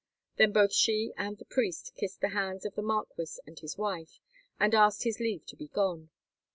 Then both she and the priest kissed the hands of the marquis and his wife, and asked his leave to be gone.